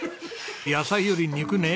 野菜より肉ね